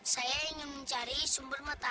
saya ingin mencari sumber mata